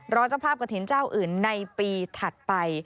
เจ้าภาพกระถิ่นเจ้าอื่นในปีถัดไป